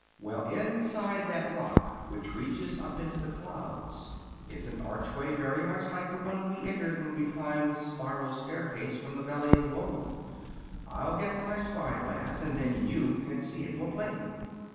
"Well, inside that rock, which reaches up into the clouds, is an archway very much like the one we entered when we climbed the spiral stairway from the Valley of Voe. I'll get my spy glass, and then you can see it more plainly."